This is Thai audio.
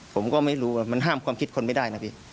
ผมก็ไม่รู้ว่ามันห้ามความคิดคนไม่ได้นะพี่